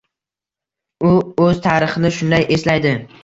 U o'z tarixini shunday eslaydi: